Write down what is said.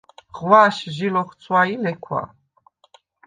ღვაშ ჟი ლოხცვა ი ლექვა.